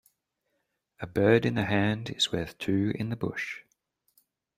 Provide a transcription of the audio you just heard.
A bird in the hand is worth two in the bush.